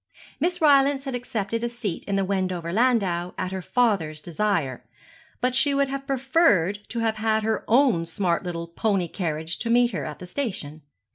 Miss Rylance had accepted a seat in the Wendover landau at her father's desire; but she would have preferred to have had her own smart little pony carriage to meet her at the station.